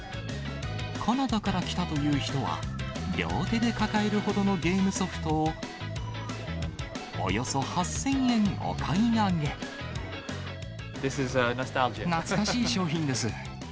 カナダから来たという人は、両手で抱えるほどのゲームソフトを、懐かしい商品です。